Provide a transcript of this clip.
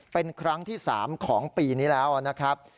เป็นครั้งที่๓ของปีนี้แล้วนะครับ